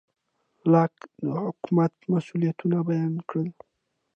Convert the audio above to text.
لاک د حکومت مسوولیتونه بیان کړل.